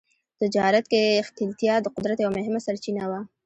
تجارت کې ښکېلتیا د قدرت یوه مهمه سرچینه وه.